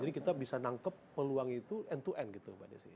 jadi kita bisa menangkap peluang itu end to end gitu pak desi